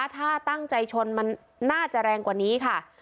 ถ้าตั้งใจชนมันน่าจะแรงกว่านี้ค่ะ